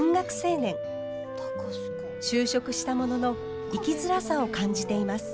就職したものの生きづらさを感じています。